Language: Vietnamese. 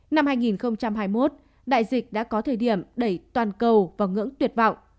năm hai nghìn hai mươi một đại dịch đã có thời điểm đẩy toàn cầu vào ngưỡng tuyệt vọng